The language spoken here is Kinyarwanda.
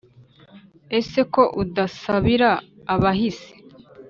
ese ko udasabira abahise